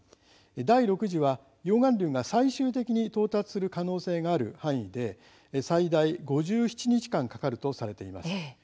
第６次は、溶岩流が最終的に到達する可能性がある範囲で最大５７日間かかるとされています。